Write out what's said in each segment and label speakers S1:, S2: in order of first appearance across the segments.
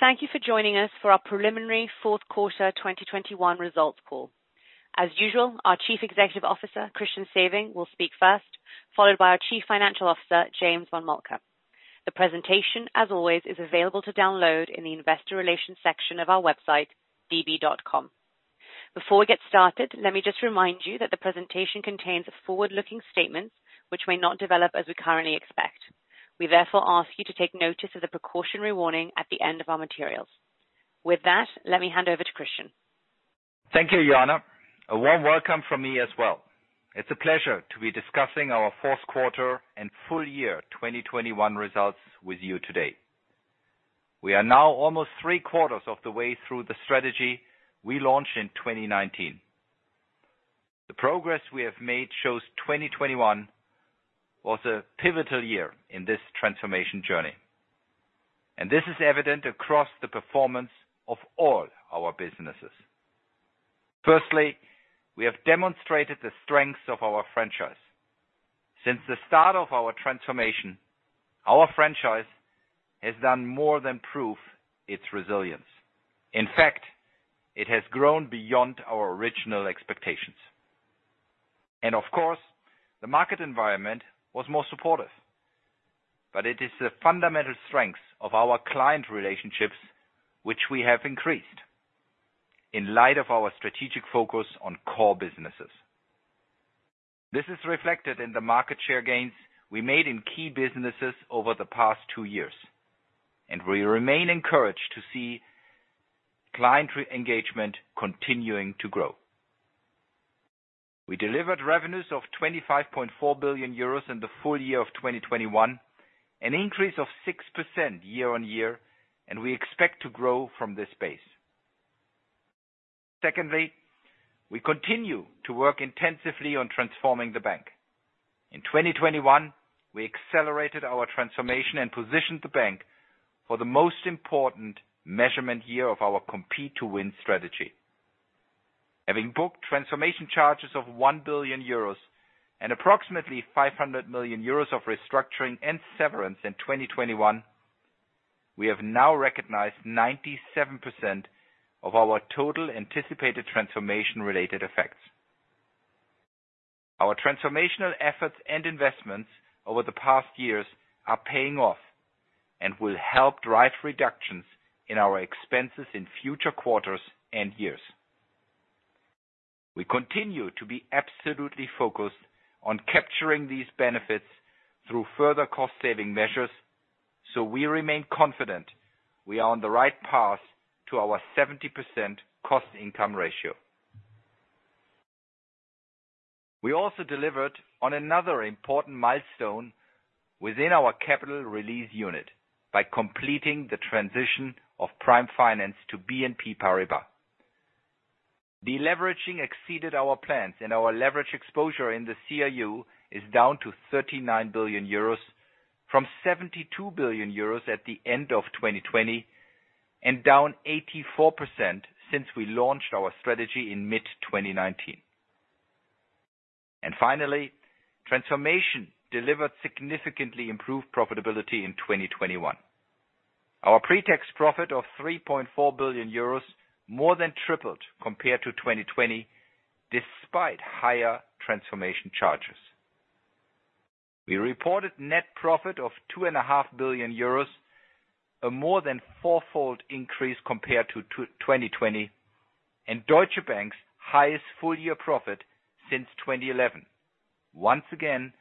S1: Thank you for joining us for our preliminary Fourth Quarter 2021 Results Call. As usual, our Chief Executive Officer, Christian Sewing, will speak first, followed by our Chief Financial Officer, James von Moltke. The presentation, as always, is available to download in the investor relations section of our website, db.com. Before we get started, let me just remind you that the presentation contains forward-looking statements which may not develop as we currently expect. We therefore ask you to take notice of the precautionary warning at the end of our materials. With that, let me hand over to Christian.
S2: Thank you, Joanna. A warm welcome from me as well. It's a pleasure to be discussing our fourth quarter and full year 2021 results with you today. We are now almost three-quarters of the way through the strategy we launched in 2019. The progress we have made shows 2021 was a pivotal year in this transformation journey, and this is evident across the performance of all our businesses. Firstly, we have demonstrated the strengths of our franchise. Since the start of our transformation, our franchise has done more than prove its resilience. In fact, it has grown beyond our original expectations. Of course, the market environment was more supportive. It is the fundamental strengths of our client relationships which we have increased in light of our strategic focus on core businesses. This is reflected in the market share gains we made in key businesses over the past two years, and we remain encouraged to see client re-engagement continuing to grow. We delivered revenues of 25.4 billion euros in the full year of 2021, an increase of 6% year-on-year, and we expect to grow from this base. Secondly, we continue to work intensively on transforming the bank. In 2021, we accelerated our transformation and positioned the bank for the most important measurement year of our Compete to Win strategy. Having booked transformation charges of 1 billion euros and approximately 500 million euros of restructuring and severance in 2021, we have now recognized 97% of our total anticipated transformation-related effects. Our transformational efforts and investments over the past years are paying off and will help drive reductions in our expenses in future quarters and years. We continue to be absolutely focused on capturing these benefits through further cost saving measures, so we remain confident we are on the right path to our 70% cost income ratio. We also delivered on another important milestone within our Capital Release Unit by completing the transition of Global Prime Finance to BNP Paribas. Deleveraging exceeded our plans, and our leverage exposure in the CRU is down to 39 billion euros from 72 billion euros at the end of 2020 and down 84% since we launched our strategy in mid-2019. Finally, transformation delivered significantly improved profitability in 2021. Our pre-tax profit of 3.4 billion euros more than tripled compared to 2020, despite higher transformation charges. We reported net profit of two and a half billion euros, a more than four-fold increase compared to 2020, and Deutsche Bank's highest full-year profit since 2011, once again,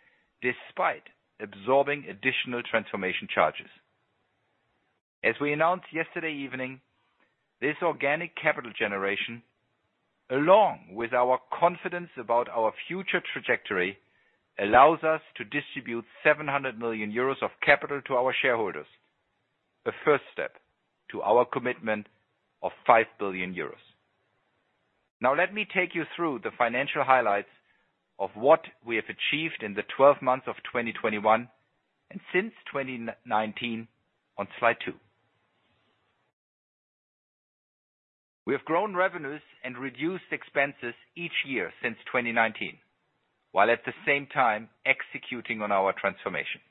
S2: despite absorbing additional transformation charges. As we announced yesterday evening, this organic capital generation, along with our confidence about our future trajectory, allows us to distribute 700 million euros of capital to our shareholders, the first step to our commitment of 5 billion euros. Now, let me take you through the financial highlights of what we have achieved in the 12 months of 2021 and since 2019 on slide two. We have grown revenues and reduced expenses each year since 2019, while at the same time executing on our transformation.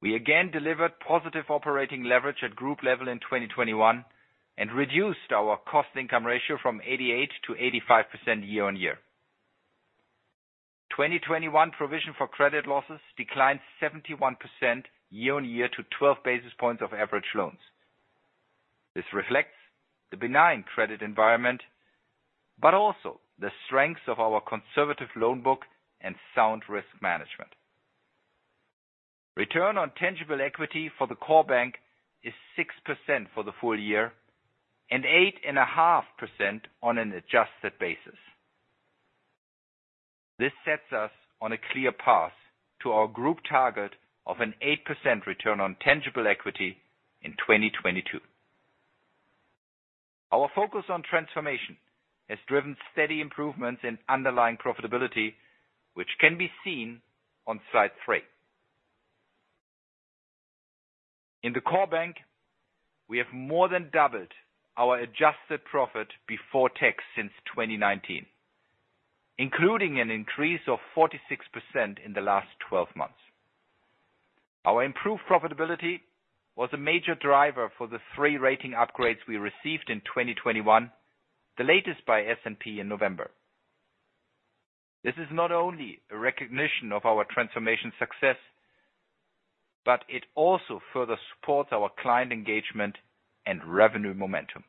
S2: We again delivered positive operating leverage at group level in 2021 and reduced our cost income ratio from 88% to 85% year-over-year. 2021 provision for credit losses declined 71% year-over-year to 12 basis points of average loans. This reflects the benign credit environment, but also the strengths of our conservative loan book and sound risk management. Return on tangible equity for the core bank is 6% for the full year and 8.5% on an adjusted basis. This sets us on a clear path to our group target of an 8% return on tangible equity in 2022. Our focus on transformation has driven steady improvements in underlying profitability, which can be seen on slide three. In the core bank, we have more than doubled our adjusted profit before tax since 2019. Including an increase of 46% in the last twelve months. Our improved profitability was a major driver for the three rating upgrades we received in 2021, the latest by S&P in November. This is not only a recognition of our transformation success, but it also further supports our client engagement and revenue momentum.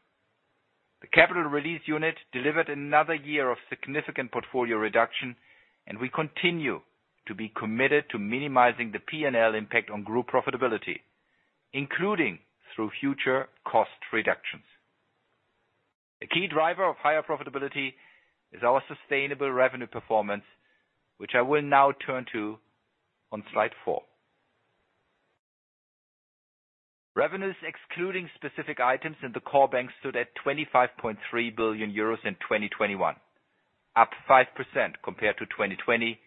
S2: The Capital Release Unit delivered another year of significant portfolio reduction, and we continue to be committed to minimizing the P&L impact on group profitability, including through future cost reductions. A key driver of higher profitability is our sustainable revenue performance, which I will now turn to on slide four. Revenues excluding specific items in the core bank stood at 25.3 billion euros in 2021, up 5% compared to 2020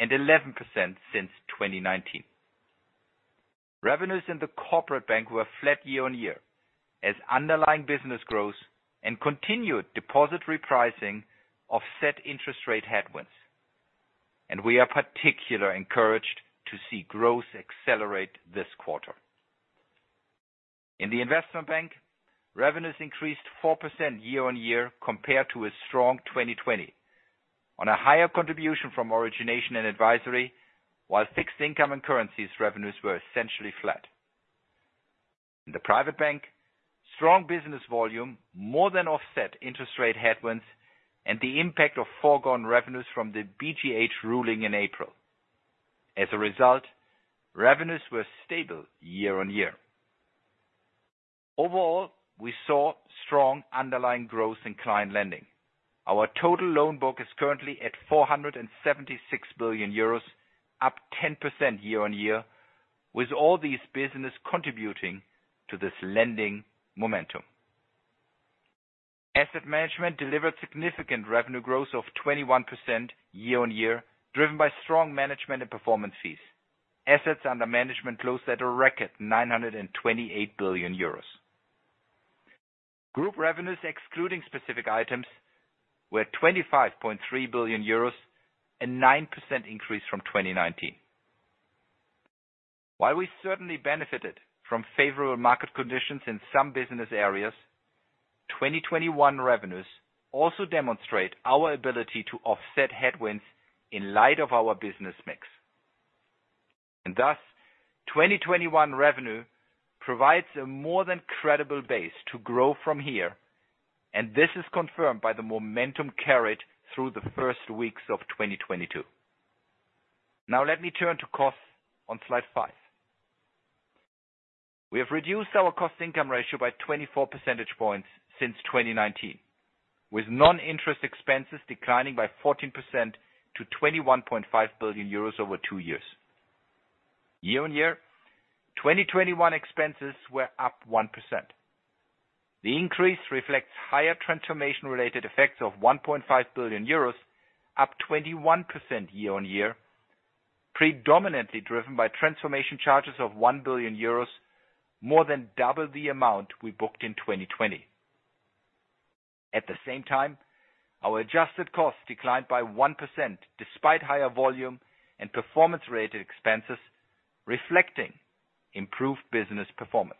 S2: and 11% since 2019. Revenues in the Corporate Bank were flat year-on-year as underlying business growth and continued deposit repricing offset interest rate headwinds. We are particularly encouraged to see growth accelerate this quarter. In the Investment Bank, revenues increased 4% year-on-year compared to a strong 2020 on a higher contribution from origination and advisory, while fixed income and currencies revenues were essentially flat. In the Private Bank, strong business volume more than offset interest rate headwinds and the impact of foregone revenues from the BGH ruling in April. As a result, revenues were stable year-on-year. Overall, we saw strong underlying growth in client lending. Our total loan book is currently at 476 billion euros, up 10% year-on-year, with all these businesses contributing to this lending momentum. Asset Management delivered significant revenue growth of 21% year on year, driven by strong management and performance fees. Assets under management closed at a record 928 billion euros. Group revenues excluding specific items were 25.3 billion euros, a 9% increase from 2019. While we certainly benefited from favorable market conditions in some business areas, 2021 revenues also demonstrate our ability to offset headwinds in light of our business mix. Thus, 2021 revenue provides a more than credible base to grow from here, and this is confirmed by the momentum carried through the first weeks of 2022. Now let me turn to costs on slide five. We have reduced our cost income ratio by 24 percentage points since 2019, with non-interest expenses declining by 14% to 21.5 billion euros over two years. Year-over-year, 2021 expenses were up 1%. The increase reflects higher transformation-related effects of 1.5 billion euros, up 21% year-over-year, predominantly driven by transformation charges of 1 billion euros, more than double the amount we booked in 2020. At the same time, our adjusted costs declined by 1% despite higher volume and performance-related expenses reflecting improved business performance.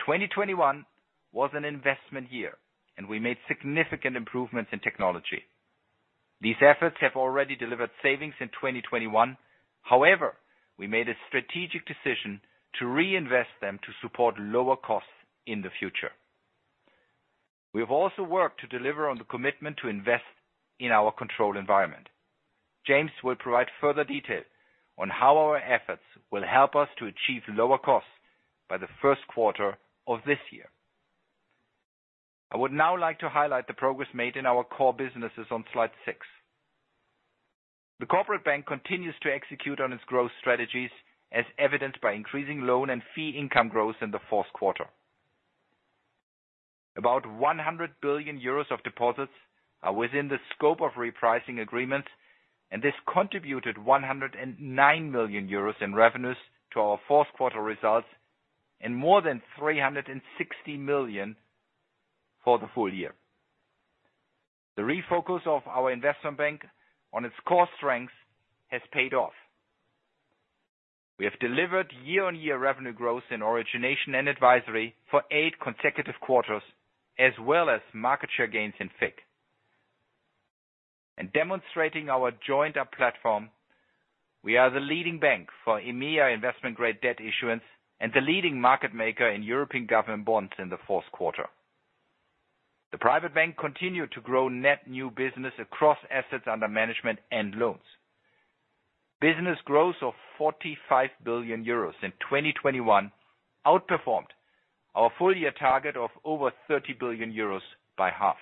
S2: 2021 was an investment year and we made significant improvements in technology. These efforts have already delivered savings in 2021. However, we made a strategic decision to reinvest them to support lower costs in the future. We have also worked to deliver on the commitment to invest in our control environment. James will provide further detail on how our efforts will help us to achieve lower costs by the first quarter of this year. I would now like to highlight the progress made in our core businesses on slide six. The corporate bank continues to execute on its growth strategies as evidenced by increasing loan and fee income growth in the fourth quarter. About 100 billion euros of deposits are within the scope of repricing agreement, and this contributed 109 million euros in revenues to our fourth quarter results and more than 360 million for the full year. The refocus of our investment bank on its core strengths has paid off. We have delivered year-on-year revenue growth in origination and advisory for eight consecutive quarters, as well as market share gains in FICC. Demonstrating our joined-up platform, we are the leading bank for EMEA investment-grade debt issuance and the leading market maker in European government bonds in the fourth quarter. The private bank continued to grow net new business across assets under management and loans. Business growth of 45 billion euros in 2021 outperformed our full-year target of over 30 billion euros by half.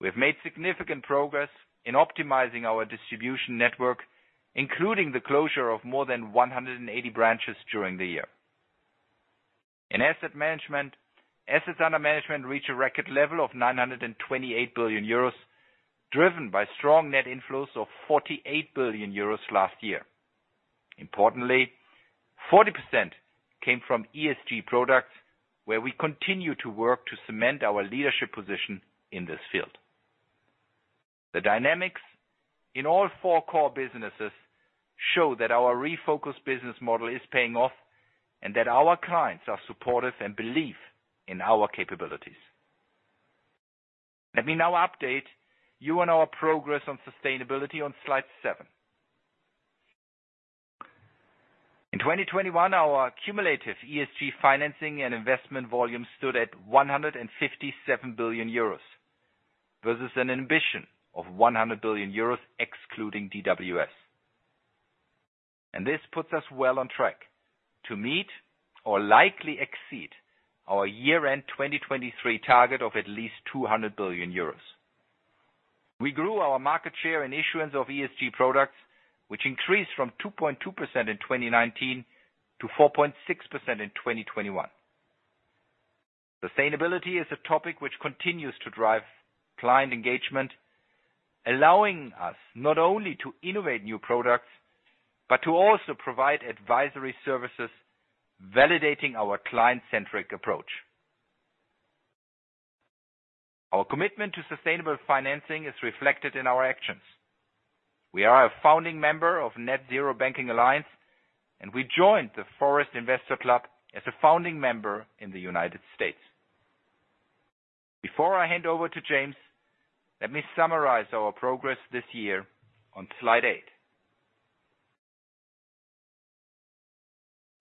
S2: We have made significant progress in optimizing our distribution network, including the closure of more than 180 branches during the year. In asset management, assets under management reach a record level of 928 billion euros, driven by strong net inflows of 48 billion euros last year. Importantly, 40% came from ESG products where we continue to work to cement our leadership position in this field. The dynamics in all four core businesses show that our refocused business model is paying off and that our clients are supportive and believe in our capabilities. Let me now update you on our progress on sustainability on slide seven. In 2021, our cumulative ESG financing and investment volume stood at 157 billion euros, versus an ambition of 100 billion euros excluding DWS. This puts us well on track to meet or likely exceed our year-end 2023 target of at least 200 billion euros. We grew our market share in issuance of ESG products, which increased from 2.2% in 2019 to 4.6% in 2021. Sustainability is a topic which continues to drive client engagement, allowing us not only to innovate new products, but to also provide advisory services validating our client-centric approach. Our commitment to sustainable financing is reflected in our actions. We are a founding member of Net-Zero Banking Alliance, and we joined the Forest Investor Club as a founding member in the United States. Before I hand over to James, let me summarize our progress this year on slide eight.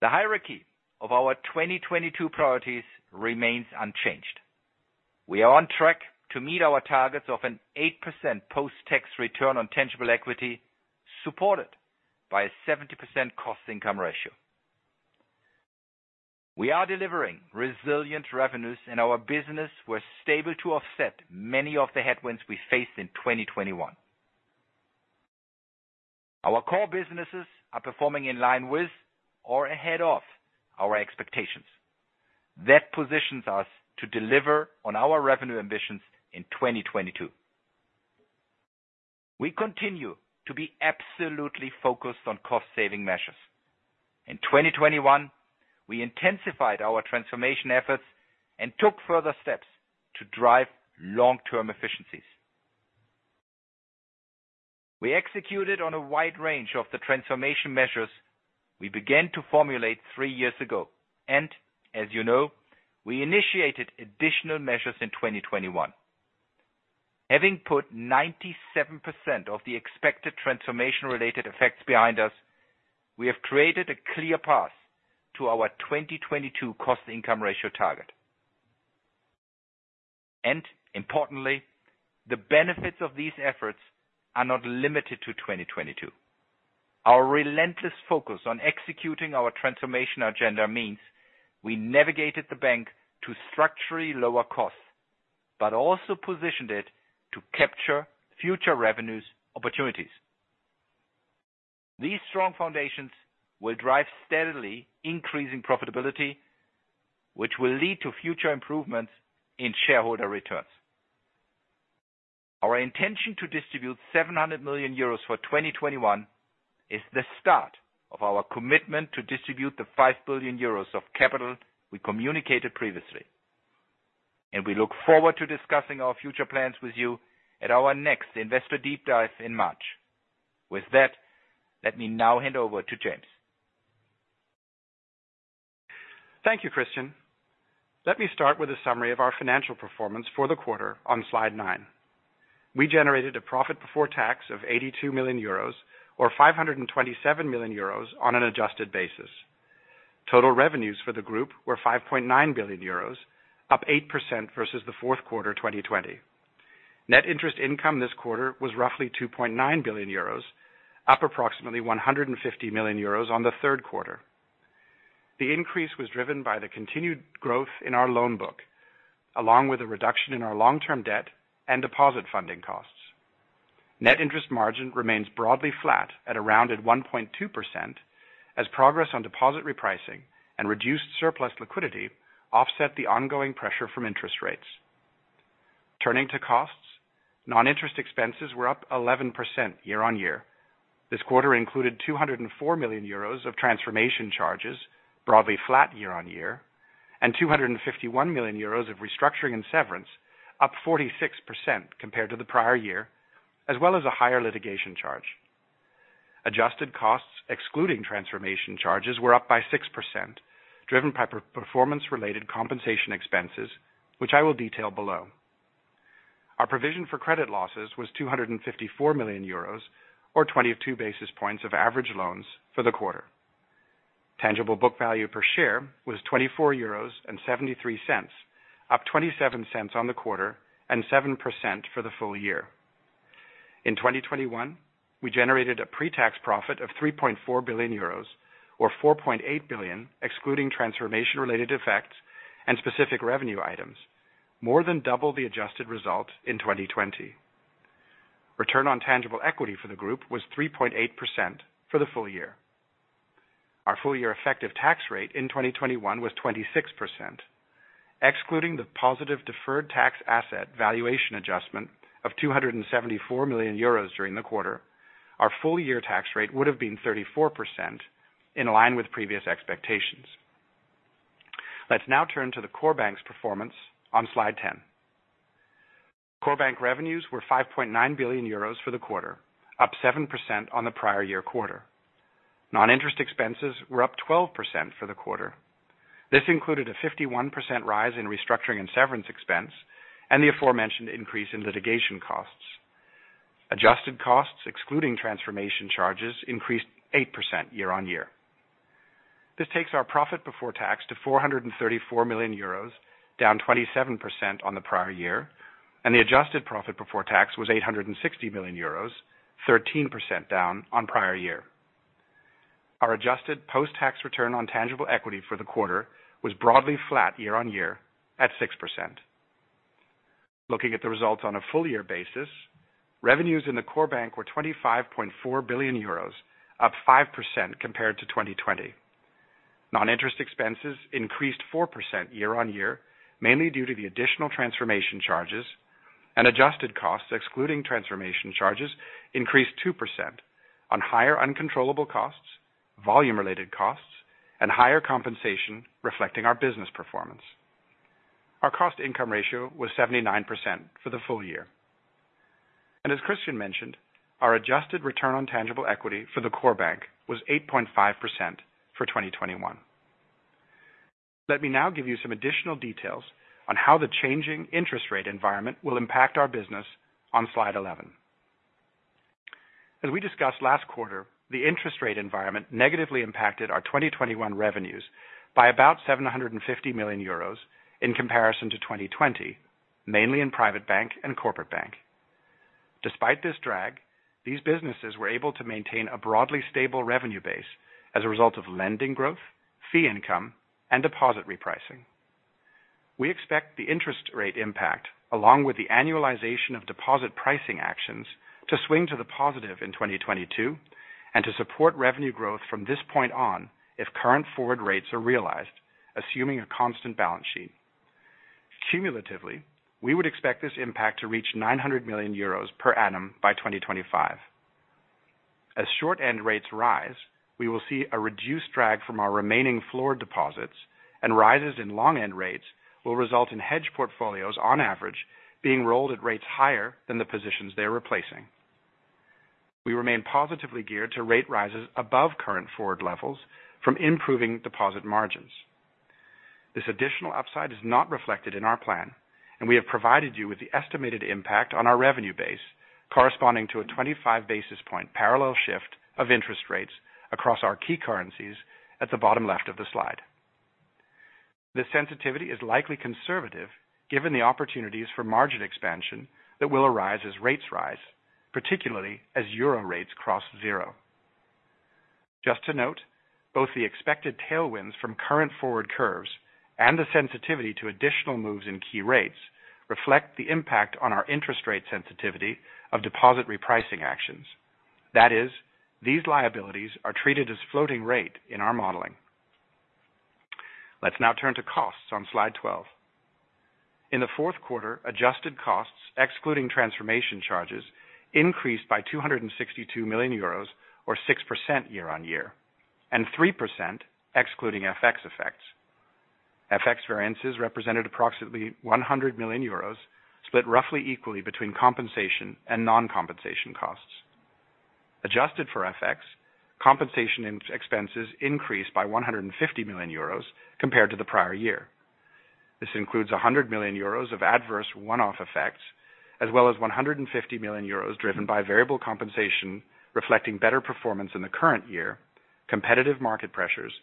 S2: The hierarchy of our 2022 priorities remains unchanged. We are on track to meet our targets of an 8% post-tax return on tangible equity, supported by a 70% cost-income ratio. We are delivering resilient revenues in our business. We're able to offset many of the headwinds we faced in 2021. Our core businesses are performing in line with or ahead of our expectations. That positions us to deliver on our revenue ambitions in 2022. We continue to be absolutely focused on cost saving measures. In 2021, we intensified our transformation efforts and took further steps to drive long-term efficiencies. We executed on a wide range of the transformation measures we began to formulate three years ago. As you know, we initiated additional measures in 2021. Having put 97% of the expected transformation related effects behind us, we have created a clear path to our 2022 cost income ratio target. Importantly, the benefits of these efforts are not limited to 2022. Our relentless focus on executing our transformation agenda means we navigated the bank to structurally lower costs, but also positioned it to capture future revenues opportunities. These strong foundations will drive steadily increasing profitability, which will lead to future improvements in shareholder returns. Our intention to distribute 700 million euros for 2021 is the start of our commitment to distribute the 5 billion euros of capital we communicated previously. We look forward to discussing our future plans with you at our next Investor Deep Dive in March. With that, let me now hand over to James.
S3: Thank you, Christian. Let me start with a summary of our financial performance for the quarter on slide nine. We generated a profit before tax of 82 million euros, or 527 million euros on an adjusted basis. Total revenues for the group were 5.9 billion euros, up 8% versus the fourth quarter 2020. Net interest income this quarter was roughly 2.9 billion euros, up approximately 150 million euros on the third quarter. The increase was driven by the continued growth in our loan book, along with a reduction in our long-term debt and deposit funding costs. Net interest margin remains broadly flat at around 1.2% as progress on deposit repricing and reduced surplus liquidity offset the ongoing pressure from interest rates. Turning to costs, non-interest expenses were up 11% year-on-year. This quarter included 204 million euros of transformation charges, broadly flat year on year, and 251 million euros of restructuring and severance up 46% compared to the prior year, as well as a higher litigation charge. Adjusted costs, excluding transformation charges, were up 6%, driven by performance-related compensation expenses, which I will detail below. Our provision for credit losses was 254 million euros or 20.2 basis points of average loans for the quarter. Tangible book value per share was 24.73 euros, up 0.27 on the quarter and 7% for the full year. In 2021, we generated a pre-tax profit of 3.4 billion euros or 4.8 billion, excluding transformation related effects and specific revenue items, more than double the adjusted result in 2020. Return on tangible equity for the group was 3.8% for the full year. Our full year effective tax rate in 2021 was 26%. Excluding the positive deferred tax asset valuation adjustment of 274 million euros during the quarter, our full year tax rate would have been 34% in line with previous expectations. Let's now turn to the core bank's performance on slide 10. Core bank revenues were 5.9 billion euros for the quarter, up 7% on the prior-year quarter. Non-interest expenses were up 12% for the quarter. This included a 51% rise in restructuring and severance expense and the aforementioned increase in litigation costs. Adjusted costs, excluding transformation charges, increased 8% year-on-year. This takes our profit before tax to 434 million euros, down 27% on the prior year, and the adjusted profit before tax was 860 million euros, 13% down on prior year. Our adjusted post-tax return on tangible equity for the quarter was broadly flat year-over-year at 6%. Looking at the results on a full year basis, revenues in the core bank were 25.4 billion euros, up 5% compared to 2020. Non-interest expenses increased 4% year-over-year, mainly due to the additional transformation charges. Adjusted costs, excluding transformation charges, increased 2% on higher uncontrollable costs, volume-related costs, and higher compensation reflecting our business performance. Our cost income ratio was 79% for the full year. As Christian mentioned, our adjusted return on tangible equity for the core bank was 8.5% for 2021. Let me now give you some additional details on how the changing interest rate environment will impact our business on slide 11. As we discussed last quarter, the interest rate environment negatively impacted our 2021 revenues by about 750 million euros in comparison to 2020, mainly in Private Bank and Corporate Bank. Despite this drag, these businesses were able to maintain a broadly stable revenue base as a result of lending growth, fee income, and deposit repricing. We expect the interest rate impact, along with the annualization of deposit pricing actions, to swing to the positive in 2022 and to support revenue growth from this point on if current forward rates are realized, assuming a constant balance sheet. Cumulatively, we would expect this impact to reach 900 million euros per annum by 2025. As short end rates rise, we will see a reduced drag from our remaining floor deposits and rises in long end rates will result in hedge portfolios on average being rolled at rates higher than the positions they are replacing. We remain positively geared to rate rises above current forward levels from improving deposit margins. This additional upside is not reflected in our plan, and we have provided you with the estimated impact on our revenue base corresponding to a 25 basis point parallel shift of interest rates across our key currencies at the bottom left of the slide. The sensitivity is likely conservative given the opportunities for margin expansion that will arise as rates rise, particularly as euro rates cross zero. Just to note, both the expected tailwinds from current forward curves and the sensitivity to additional moves in key rates reflect the impact on our interest rate sensitivity of deposit repricing actions. That is, these liabilities are treated as floating rate in our modeling. Let's now turn to costs on slide 12. In the fourth quarter, adjusted costs, excluding transformation charges, increased by 262 million euros or 6% year-on-year, and 3% excluding FX effects. FX variances represented approximately 100 million euros, split roughly equally between compensation and non-compensation costs. Adjusted for FX, compensation expenses increased by 150 million euros compared to the prior year. This includes 100 million euros of adverse one-off effects, as well as 150 million euros driven by variable compensation reflecting better performance in the current year, competitive market pressures,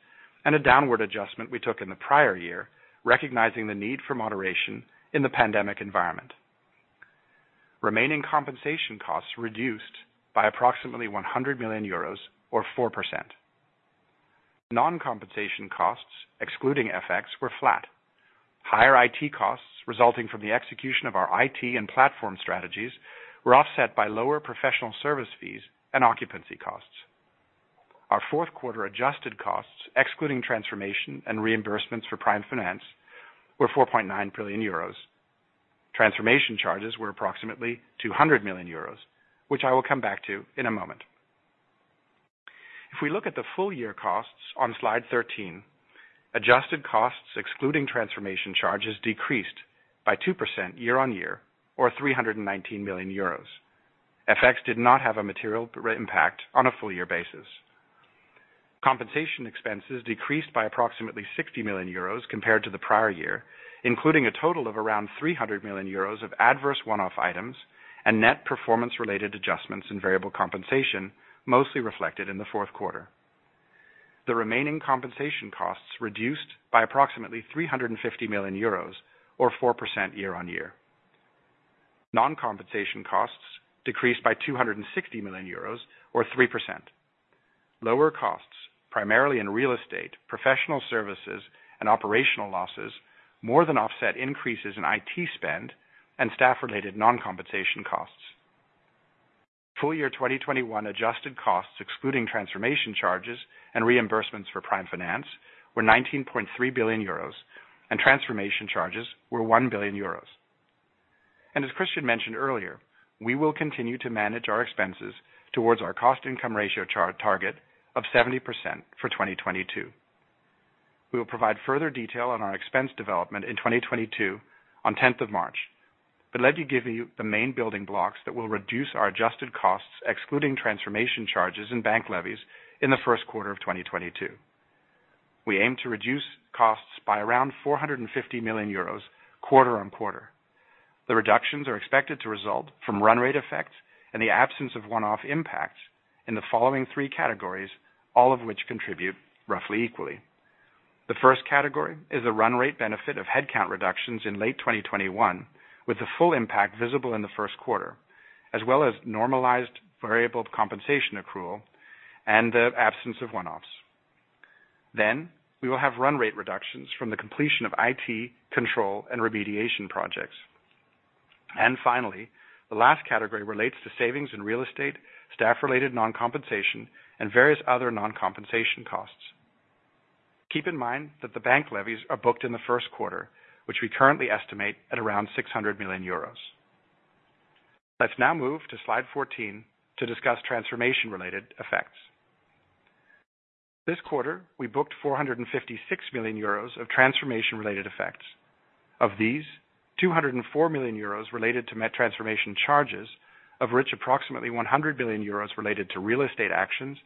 S3: and a downward adjustment we took in the prior year, recognizing the need for moderation in the pandemic environment. Remaining compensation costs reduced by approximately 100 million euros or 4%. Non-compensation costs, excluding FX, were flat. Higher IT costs resulting from the execution of our IT and platform strategies were offset by lower professional service fees and occupancy costs. Our fourth quarter adjusted costs, excluding transformation and reimbursements for prime finance, were 4.9 billion euros. Transformation charges were approximately 200 million euros, which I will come back to in a moment. If we look at the full-year costs on slide 13, adjusted costs, excluding transformation charges, decreased by 2% year-on-year or 319 million euros. FX did not have a material impact on a full-year basis. Compensation expenses decreased by approximately 60 million euros compared to the prior year, including a total of around 300 million euros of adverse one-off items and net performance-related adjustments in variable compensation, mostly reflected in the fourth quarter. The remaining compensation costs reduced by approximately 350 million euros or 4% year-on-year. Non-compensation costs decreased by 260 million euros or 3%. Lower costs, primarily in real estate, professional services, and operational losses, more than offset increases in IT spend and staff-related non-compensation costs. Full year 2021 adjusted costs excluding transformation charges and reimbursements for prime finance were 19.3 billion euros and transformation charges were 1 billion euros. As Christian mentioned earlier, we will continue to manage our expenses towards our cost income ratio target of 70% for 2022. We will provide further detail on our expense development in 2022 on March 10. Let me give you the main building blocks that will reduce our adjusted costs, excluding transformation charges and bank levies in the first quarter of 2022. We aim to reduce costs by around 450 million euros quarter on quarter. The reductions are expected to result from run rate effects and the absence of one-off impacts in the following three categories, all of which contribute roughly equally. The first category is a run rate benefit of headcount reductions in late 2021, with the full impact visible in the first quarter, as well as normalized variable compensation accrual and the absence of one-offs. We will have run rate reductions from the completion of IT, control, and remediation projects. Finally, the last category relates to savings in real estate, staff-related non-compensation, and various other non-compensation costs. Keep in mind that the bank levies are booked in the first quarter, which we currently estimate at around 600 million euros. Let's now move to slide 14 to discuss transformation-related effects. This quarter, we booked 456 million euros of transformation-related effects. Of these, 204 million euros related to net transformation charges, of which approximately 100 million euros related to real estate actions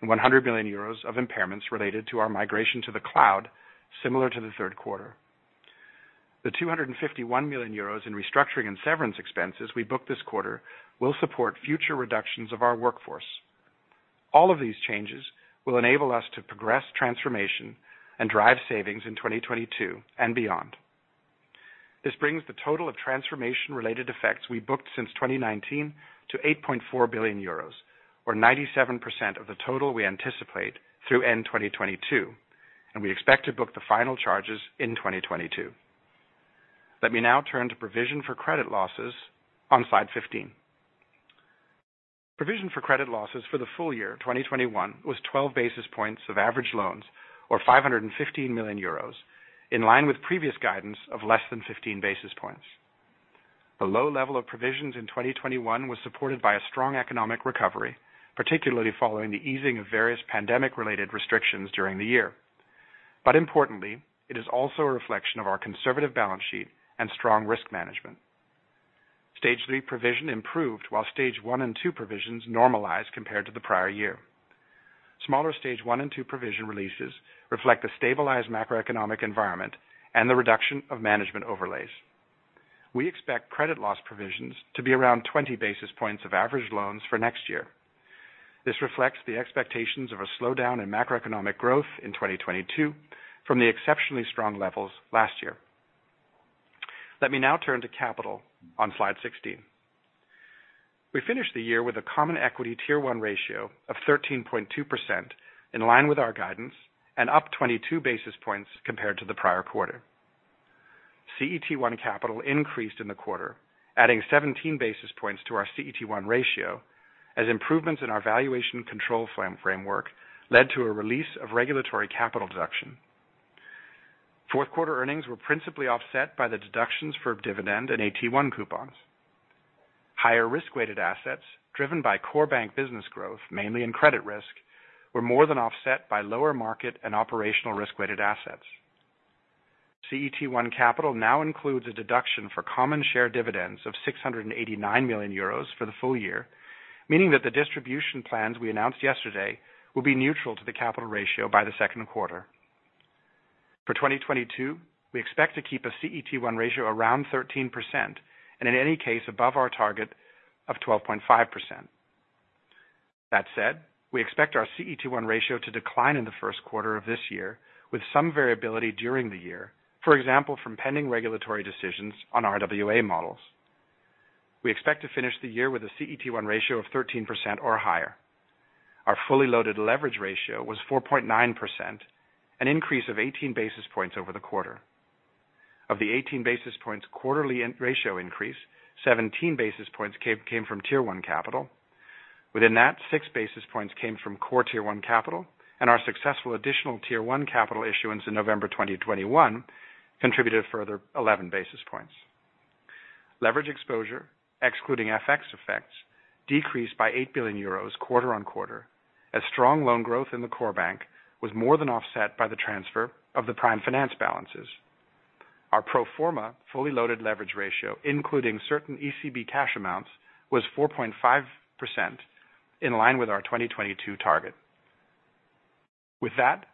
S3: and 100 million euros of impairments related to our migration to the cloud, similar to the third quarter. The 251 million euros in restructuring and severance expenses we booked this quarter will support future reductions of our workforce. All of these changes will enable us to progress transformation and drive savings in 2022 and beyond. This brings the total of transformation-related effects we booked since 2019 to 8.4 billion euros or 97% of the total we anticipate through end 2022, and we expect to book the final charges in 2022. Let me now turn to provision for credit losses on slide 15. Provision for credit losses for the full year 2021 was 12 basis points of average loans or 515 million euros, in line with previous guidance of less than 15 basis points. The low level of provisions in 2021 was supported by a strong economic recovery, particularly following the easing of various pandemic-related restrictions during the year. Importantly, it is also a reflection of our conservative balance sheet and strong risk management. Stage 3 provision improved while Stage 1 and two provisions normalized compared to the prior year. Smaller Stage 1 and two provision releases reflect the stabilized macroeconomic environment and the reduction of management overlays. We expect credit loss provisions to be around 20 basis points of average loans for next year. This reflects the expectations of a slowdown in macroeconomic growth in 2022 from the exceptionally strong levels last year. Let me now turn to capital on slide 16. We finished the year with a common equity tier one ratio of 13.2%, in line with our guidance, and up 22 basis points compared to the prior quarter. CET1 capital increased in the quarter, adding 17 basis points to our CET1 ratio as improvements in our valuation control framework led to a release of regulatory capital deduction. Fourth quarter earnings were principally offset by the deductions for dividend and AT1 coupons. Higher risk-weighted assets driven by core bank business growth, mainly in credit risk, were more than offset by lower market and operational risk-weighted assets. CET1 capital now includes a deduction for common share dividends of 689 million euros for the full year, meaning that the distribution plans we announced yesterday will be neutral to the capital ratio by the second quarter. For 2022, we expect to keep a CET1 ratio around 13%, and in any case, above our target of 12.5%. That said, we expect our CET1 ratio to decline in the first quarter of this year with some variability during the year, for example from pending regulatory decisions on RWA models. We expect to finish the year with a CET1 ratio of 13% or higher. Our fully loaded leverage ratio was 4.9%, an increase of 18 basis points over the quarter. Of the 18 basis points quarterly ratio increase, 17 basis points came from tier one capital. Within that, 6 basis points came from core tier one capital, and our successful additional tier one capital issuance in November 2021 contributed a further 11 basis points. Leverage exposure, excluding FX effects, decreased by 8 billion euros quarter on quarter, as strong loan growth in the core bank was more than offset by the transfer of the prime finance balances. Our pro forma fully loaded leverage ratio, including certain ECB cash amounts, was 4.5%, in line with our 2022 target. With that,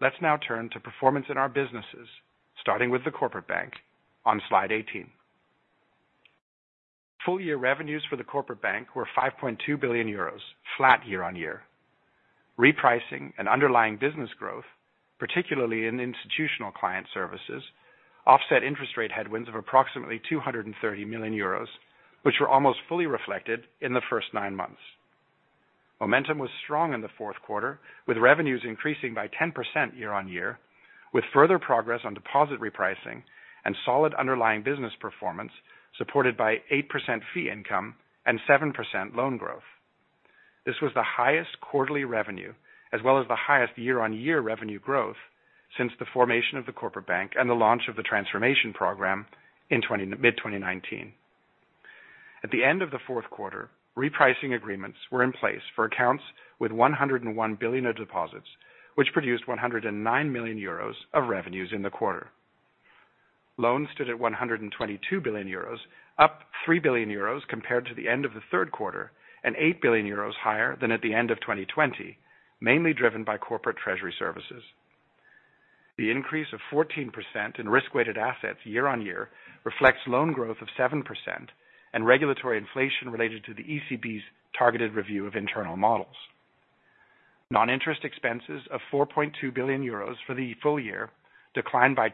S3: let's now turn to performance in our businesses, starting with the corporate bank on slide 18. Full year revenues for the corporate bank were 5.2 billion euros, flat year-on-year. Repricing and underlying business growth, particularly in Institutional Client Services, offset interest rate headwinds of approximately 230 million euros, which were almost fully reflected in the first nine months. Momentum was strong in the fourth quarter, with revenues increasing by 10% year-on-year, with further progress on deposit repricing and solid underlying business performance, supported by 8% fee income and 7% loan growth. This was the highest quarterly revenue, as well as the highest year-on-year revenue growth since the formation of the Corporate Bank and the launch of the transformation program in mid-2019. At the end of the fourth quarter, repricing agreements were in place for accounts with 101 billion of deposits, which produced 109 million euros of revenues in the quarter. Loans stood at 122 billion euros, up 3 billion euros compared to the end of the third quarter, and 8 billion euros higher than at the end of 2020, mainly driven by Corporate Treasury Services. The increase of 14% in risk-weighted assets year-on-year reflects loan growth of 7% and regulatory inflation related to the ECB's targeted review of internal models. Non-interest expenses of 4.2 billion euros for the full year declined by 2%,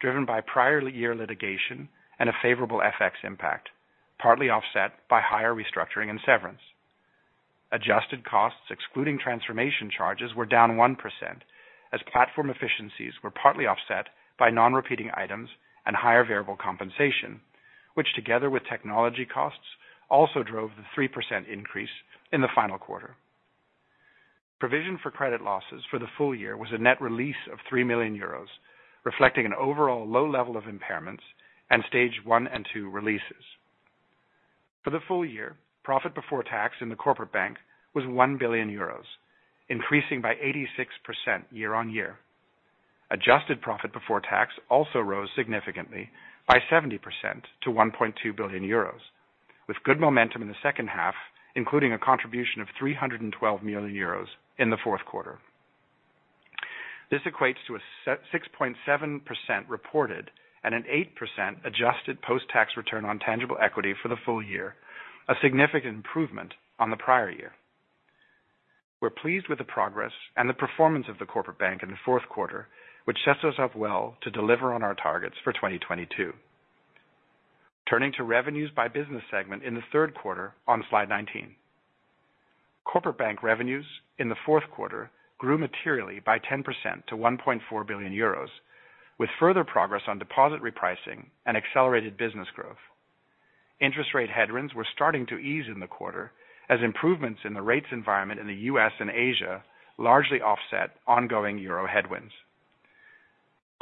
S3: driven by prior year litigation and a favorable FX impact, partly offset by higher restructuring and severance. Adjusted costs, excluding transformation charges, were down 1% as platform efficiencies were partly offset by non-repeating items and higher variable compensation, which together with technology costs, also drove the 3% increase in the final quarter. Provision for credit losses for the full year was a net release of 3 million euros, reflecting an overall low level of impairments and Stage 1 and t=Two releases. For the full year, profit before tax in the Corporate Bank was 1 billion euros, increasing by 86% year-on-year. Adjusted profit before tax also rose significantly by 70% to 1.2 billion euros, with good momentum in the second half, including a contribution of 312 million euros in the fourth quarter. This equates to a 6.7% reported and an 8% adjusted post-tax return on tangible equity for the full year, a significant improvement on the prior year. We're pleased with the progress and the performance of the Corporate Bank in the fourth quarter, which sets us up well to deliver on our targets for 2022. Turning to revenues by business segment in the third quarter on slide 19. Corporate Bank revenues in the fourth quarter grew materially by 10% to 1.4 billion euros, with further progress on deposit repricing and accelerated business growth. Interest rate headwinds were starting to ease in the quarter as improvements in the rates environment in the U.S. and Asia largely offset ongoing euro headwinds.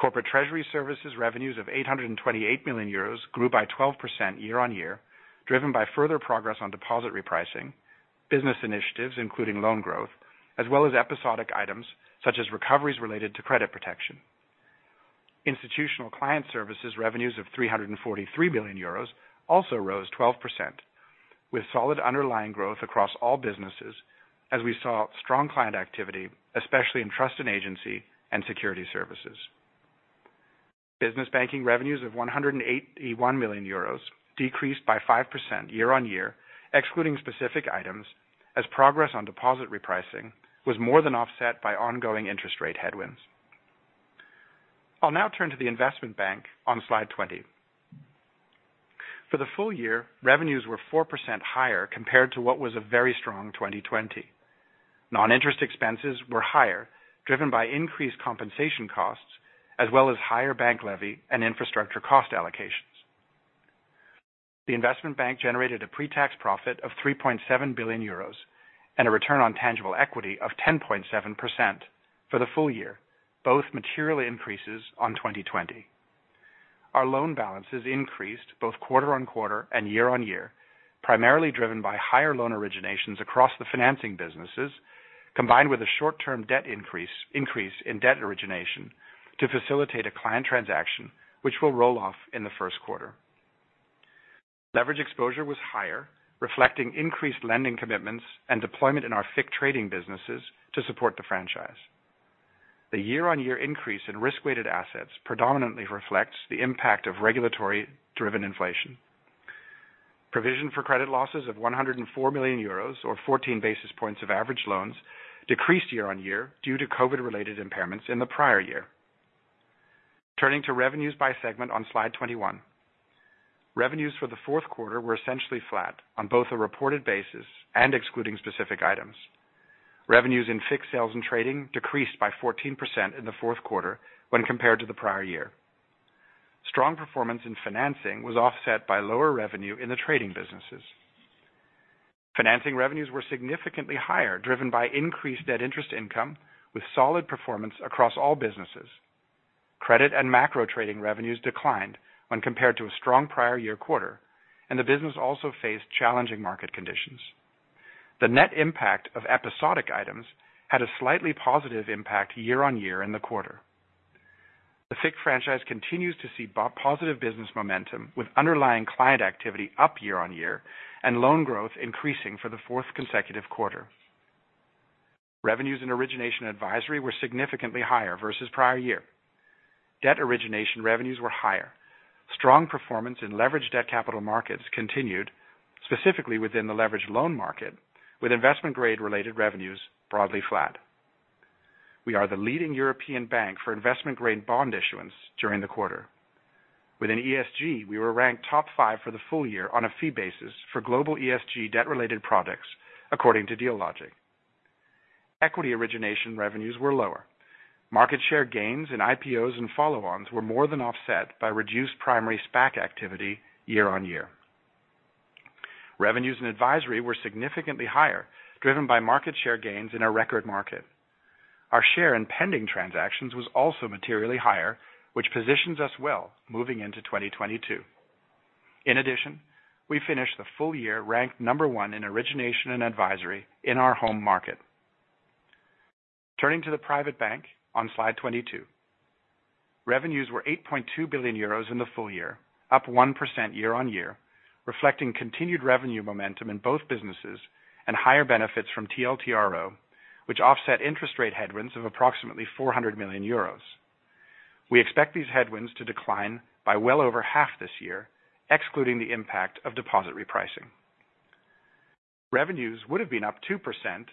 S3: Corporate Treasury Services revenues of 828 million euros grew by 12% year-on-year, driven by further progress on deposit repricing, business initiatives, including loan growth, as well as episodic items such as recoveries related to credit protection. Institutional Client Services revenues of 343 million euros also rose 12%, with solid underlying growth across all businesses as we saw strong client activity, especially in trust and agency and security services. Business banking revenues of 181 million euros decreased by 5% year-on-year, excluding specific items as progress on deposit repricing was more than offset by ongoing interest rate headwinds. I'll now turn to the investment bank on slide 20. For the full year, revenues were 4% higher compared to what was a very strong 2020. Non-interest expenses were higher, driven by increased compensation costs as well as higher bank levy and infrastructure cost allocations. The investment bank generated a pre-tax profit of 3.7 billion euros and a return on tangible equity of 10.7% for the full year, both material increases on 2020. Our loan balances increased both quarter-on-quarter and year-on-year, primarily driven by higher loan originations across the financing businesses, combined with a short-term debt increase in debt origination to facilitate a client transaction, which will roll off in the first quarter. Leverage exposure was higher, reflecting increased lending commitments and deployment in our FICC trading businesses to support the franchise. The year-on-year increase in risk-weighted assets predominantly reflects the impact of regulatory driven inflation. Provision for credit losses of 104 million euros or 14 basis points of average loans decreased year-on-year due to COVID-related impairments in the prior year. Turning to revenues by segment on slide 21. Revenues for the fourth quarter were essentially flat on both a reported basis and excluding specific items. Revenues in FICC sales and trading decreased by 14% in the fourth quarter when compared to the prior year. Strong performance in financing was offset by lower revenue in the trading businesses. Financing revenues were significantly higher, driven by increased debt interest income, with solid performance across all businesses. Credit and macro trading revenues declined when compared to a strong prior year quarter, and the business also faced challenging market conditions. The net impact of episodic items had a slightly positive impact year-on-year in the quarter. The FICC franchise continues to see positive business momentum with underlying client activity up year-on-year and loan growth increasing for the fourth consecutive quarter. Revenues and origination advisory were significantly higher versus prior year. Debt origination revenues were higher. Strong performance in leveraged debt capital markets continued, specifically within the leveraged loan market, with investment grade related revenues broadly flat. We are the leading European bank for investment grade bond issuance during the quarter. Within ESG, we were ranked top five for the full year on a fee basis for global ESG debt related products according to Dealogic. Equity origination revenues were lower. Market share gains in IPOs and follow-ons were more than offset by reduced primary SPAC activity year-on-year. Revenues and advisory were significantly higher, driven by market share gains in our record market. Our share in pending transactions was also materially higher, which positions us well moving into 2022. In addition, we finished the full year ranked number 1 in origination and advisory in our home market. Turning to the private bank on slide 22. Revenues were 8.2 billion euros in the full year, up 1% year-on-year, reflecting continued revenue momentum in both businesses and higher benefits from TLTRO, which offset interest rate headwinds of approximately 400 million euros. We expect these headwinds to decline by well over half this year, excluding the impact of deposit repricing. Revenues would have been up 2%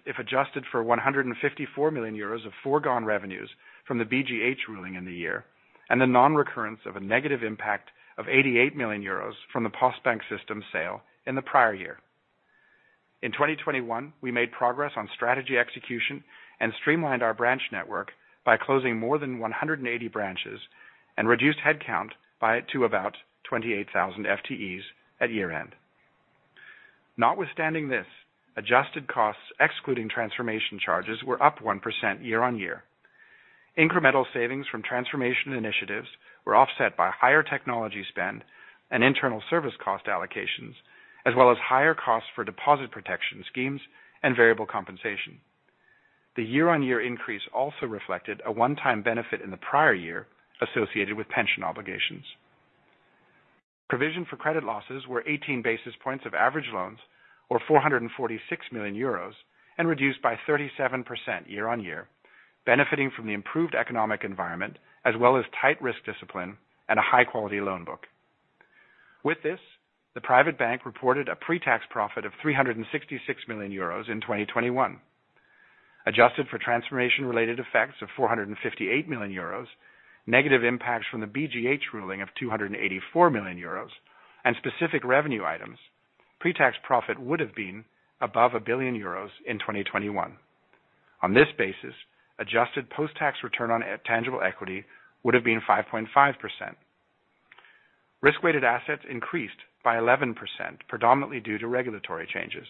S3: if adjusted for 154 million euros of foregone revenues from the BGH ruling in the year, and the non-recurrence of a negative impact of 88 million euros from the Postbank system sale in the prior year. In 2021, we made progress on strategy execution and streamlined our branch network by closing more than 180 branches and reduced headcount to about 28,000 FTEs at year-end. Notwithstanding this, adjusted costs excluding transformation charges were up 1% year-on-year. Incremental savings from transformation initiatives were offset by higher technology spend and internal service cost allocations, as well as higher costs for deposit protection schemes and variable compensation. The year-on-year increase also reflected a one-time benefit in the prior year associated with pension obligations. Provision for credit losses were 18 basis points of average loans, or 446 million euros, and reduced by 37% year-on-year, benefiting from the improved economic environment as well as tight risk discipline and a high quality loan book. With this, the private bank reported a pre-tax profit of 366 million euros in 2021. Adjusted for transformation related effects of 458 million euros, negative impacts from the BGH ruling of 284 million euros, and specific revenue items, pre-tax profit would have been above 1 billion euros in 2021. On this basis, adjusted post-tax return on tangible equity would have been 5.5%. Risk-weighted assets increased by 11%, predominantly due to regulatory changes.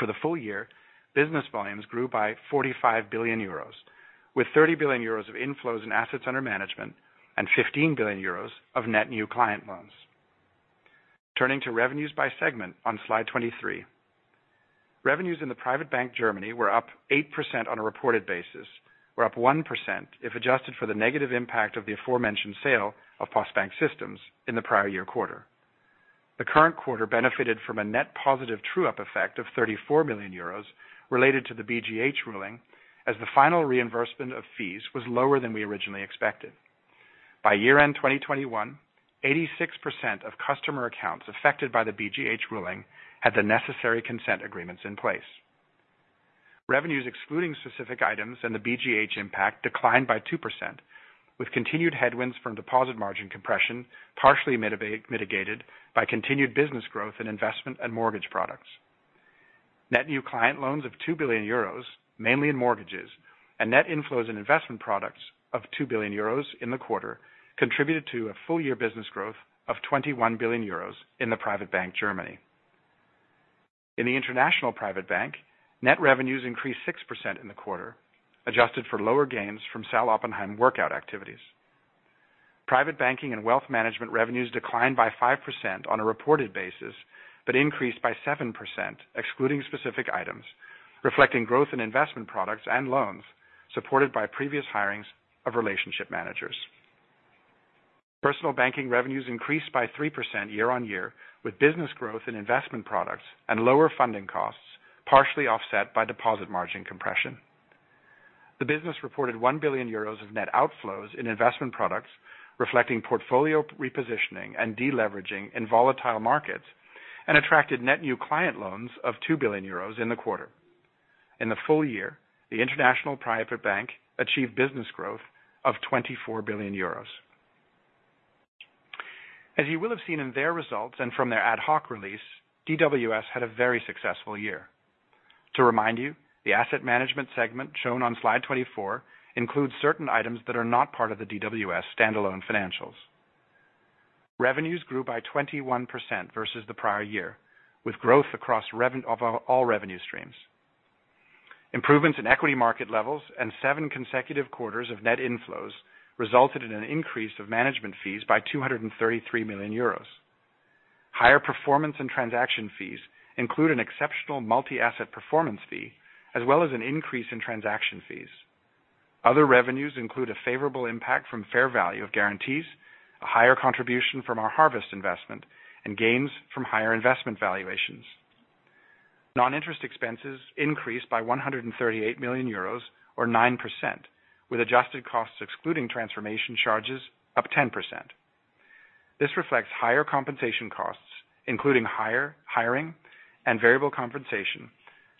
S3: For the full year, business volumes grew by 45 billion euros, with 30 billion euros of inflows and assets under management and 15 billion euros of net new client loans. Turning to revenues by segment on slide 23. Revenues in the Private Bank Germany were up 8% on a reported basis, were up 1% if adjusted for the negative impact of the aforementioned sale of Postbank systems in the prior-year quarter. The current quarter benefited from a net positive true-up effect of 34 million euros related to the BGH ruling as the final reimbursement of fees was lower than we originally expected. By year-end 2021, 86% of customer accounts affected by the BGH ruling had the necessary consent agreements in place. Revenues excluding specific items and the BGH impact declined by 2%, with continued headwinds from deposit margin compression partially mitigated by continued business growth in investment and mortgage products. Net new client loans of 2 billion euros, mainly in mortgages, and net inflows in investment products of 2 billion euros in the quarter contributed to a full year business growth of 21 billion euros in the private bank Germany. In the international private bank, net revenues increased 6% in the quarter, adjusted for lower gains from Sal. Oppenheim workout activities. Private banking and wealth management revenues declined by 5% on a reported basis, but increased by 7%, excluding specific items, reflecting growth in investment products and loans supported by previous hirings of relationship managers. Personal banking revenues increased by 3% year-on-year, with business growth in investment products and lower funding costs partially offset by deposit margin compression. The business reported 1 billion euros of net outflows in investment products, reflecting portfolio repositioning and deleveraging in volatile markets, and attracted net new client loans of 2 billion euros in the quarter. In the full year, the international private bank achieved business growth of 24 billion euros. As you will have seen in their results and from their ad hoc release, DWS had a very successful year. To remind you, the asset management segment shown on slide 24 includes certain items that are not part of the DWS standalone financials. Revenues grew by 21% versus the prior year, with growth across all revenue streams. Improvements in equity market levels and seven consecutive quarters of net inflows resulted in an increase of management fees by 233 million euros. Higher performance and transaction fees include an exceptional multi-asset performance fee as well as an increase in transaction fees. Other revenues include a favorable impact from fair value of guarantees, a higher contribution from our Harvest investment, and gains from higher investment valuations. Non-interest expenses increased by 138 million euros or 9%, with adjusted costs excluding transformation charges up 10%. This reflects higher compensation costs, including higher hiring and variable compensation,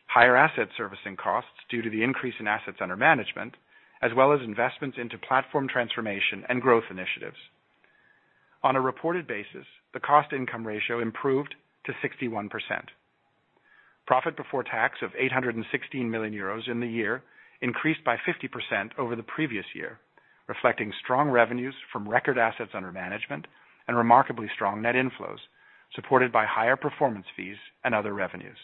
S3: higher asset servicing costs due to the increase in assets under management, as well as investments into platform transformation and growth initiatives. On a reported basis, the cost income ratio improved to 61%. Profit before tax of 816 million euros in the year increased by 50% over the previous year, reflecting strong revenues from record assets under management and remarkably strong net inflows, supported by higher performance fees and other revenues.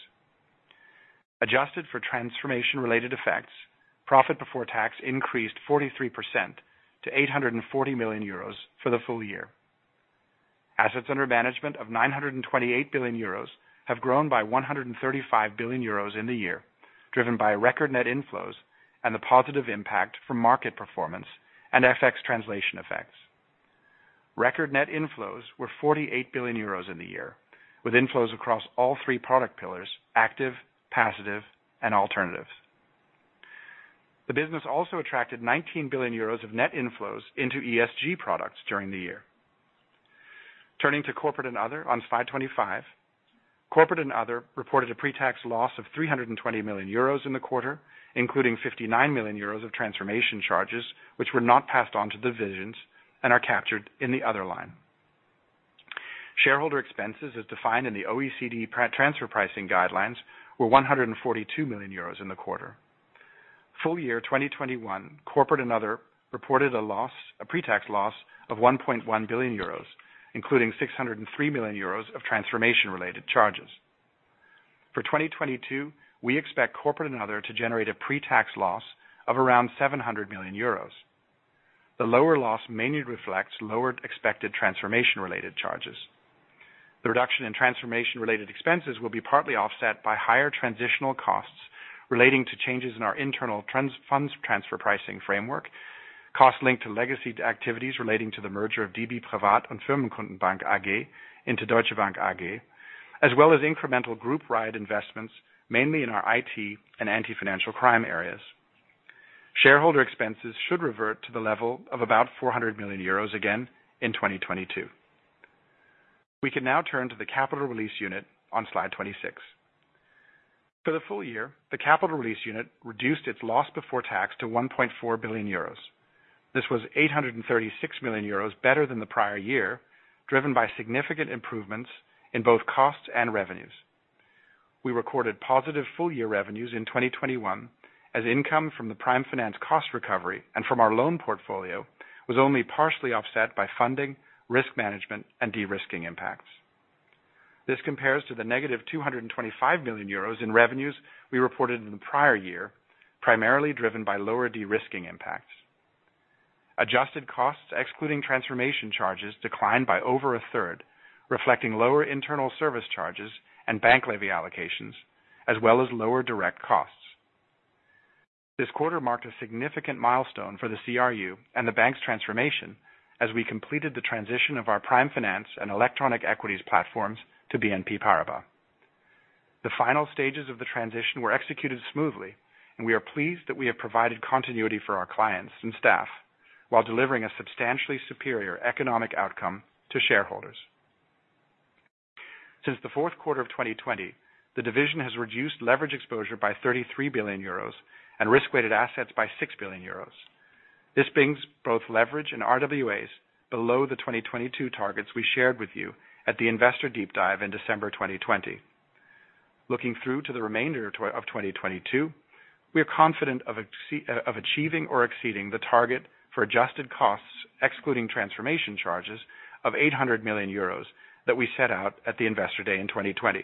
S3: Adjusted for transformation-related effects, profit before tax increased 43% to 840 million euros for the full year. Assets under management of 928 billion euros have grown by 135 billion euros in the year, driven by record net inflows and the positive impact from market performance and FX translation effects. Record net inflows were 48 billion euros in the year, with inflows across all three product pillars, active, passive, and alternatives. The business also attracted 19 billion euros of net inflows into ESG products during the year. Turning to Corporate and Other on slide 25. Corporate and Other reported a pre-tax loss of 320 million euros in the quarter, including 59 million euros of transformation charges, which were not passed on to divisions and are captured in the other line. Shareholder expenses as defined in the OECD transfer pricing guidelines were 142 million euros in the quarter. Full year 2021, Corporate and Other reported a pre-tax loss of 1.1 billion euros, including 603 million euros of transformation-related charges. For 2022, we expect Corporate and Other to generate a pre-tax loss of around 700 million euros. The lower loss mainly reflects lowered expected transformation-related charges. The reduction in transformation-related expenses will be partly offset by higher transitional costs relating to changes in our internal funds transfer pricing framework, costs linked to legacy activities relating to the merger of DB Privat- und Firmenkundenbank AG into Deutsche Bank AG, as well as incremental Group-wide investments, mainly in our IT and anti-financial crime areas. Severance expenses should revert to the level of about 400 million euros again in 2022. We can now turn to the Capital Release Unit on slide 26. For the full year, the Capital Release Unit reduced its loss before tax to 1.4 billion euros. This was 836 million euros better than the prior year, driven by significant improvements in both costs and revenues. We recorded positive full-year revenues in 2021 as income from the prime finance cost recovery and from our loan portfolio was only partially offset by funding, risk management, and de-risking impacts. This compares to the negative 225 million euros in revenues we reported in the prior year, primarily driven by lower de-risking impacts. Adjusted costs, excluding transformation charges, declined by over a third, reflecting lower internal service charges and bank levy allocations, as well as lower direct costs. This quarter marked a significant milestone for the CRU and the bank's transformation as we completed the transition of our prime finance and electronic equities platforms to BNP Paribas. The final stages of the transition were executed smoothly, and we are pleased that we have provided continuity for our clients and staff while delivering a substantially superior economic outcome to shareholders. Since the fourth quarter of 2020, the division has reduced leverage exposure by 33 billion euros and risk-weighted assets by 6 billion euros. This brings both leverage and RWAs below the 2022 targets we shared with you at the Investor Deep Dive in December 2020. Looking through to the remainder of 2022, we are confident of achieving or exceeding the target for adjusted costs, excluding transformation charges of 800 million euros that we set out at the Investor Day in 2020.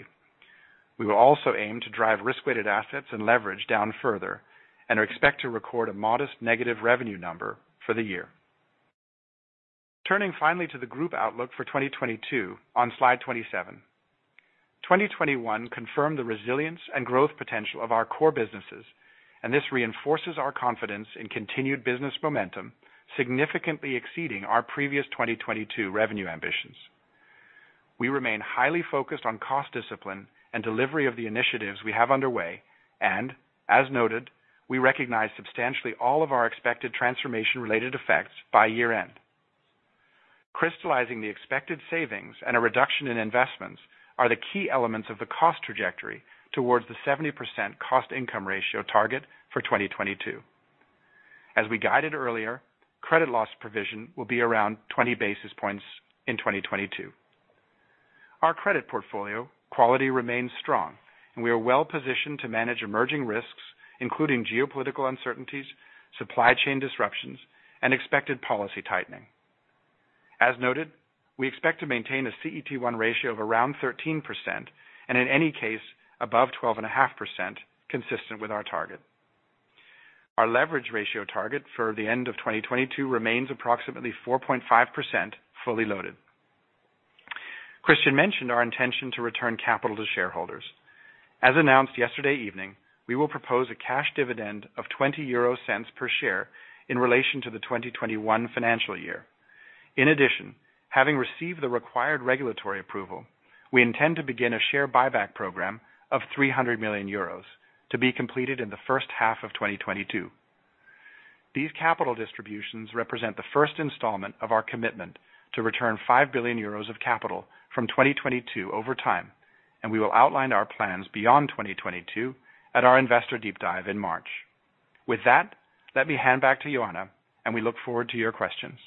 S3: We will also aim to drive risk-weighted assets and leverage down further and expect to record a modest negative revenue number for the year. Turning finally to the group outlook for 2022 on slide 27. 2021 confirmed the resilience and growth potential of our core businesses, and this reinforces our confidence in continued business momentum, significantly exceeding our previous 2022 revenue ambitions. We remain highly focused on cost discipline and delivery of the initiatives we have underway. As noted, we recognize substantially all of our expected transformation-related effects by year-end. Crystallizing the expected savings and a reduction in investments are the key elements of the cost trajectory towards the 70% cost-income ratio target for 2022. As we guided earlier, credit loss provision will be around 20 basis points in 2022. Our credit portfolio quality remains strong, and we are well-positioned to manage emerging risks, including geopolitical uncertainties, supply chain disruptions, and expected policy tightening. As noted, we expect to maintain a CET1 ratio of around 13%, and in any case, above 12.5% consistent with our target. Our leverage ratio target for the end of 2022 remains approximately 4.5% fully loaded. Christian mentioned our intention to return capital to shareholders. As announced yesterday evening, we will propose a cash dividend of 0.20 per share in relation to the 2021 financial year. In addition, having received the required regulatory approval, we intend to begin a share buyback program of 300 million euros to be completed in the first half of 2022. These capital distributions represent the first installment of our commitment to return 5 billion euros of capital from 2022 over time, and we will outline our plans beyond 2022 at our Investor Deep Dive in March. With that, let me hand back to Joanna, and we look forward to your questions.